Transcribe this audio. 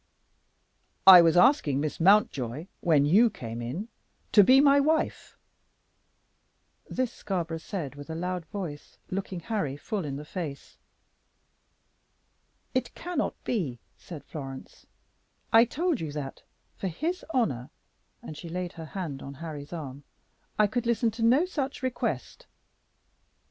"I was asking Miss Mountjoy, when you came in, to be my wife." This Scarborough said with a loud voice, looking Harry full in the face. "It cannot be," said Florence; "I told you that, for his honor," and she laid her hand on Harry's arm, "I could listen to no such request."